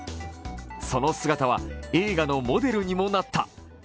その姿は映画のモデルにもなった。